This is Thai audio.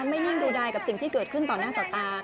ไม่นิ่งดูดายกับสิ่งที่เกิดขึ้นต่อหน้าต่อตา